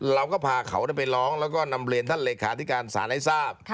เราก็พาเขาไปร้องและนำเลคาธิการสานให้ทราบ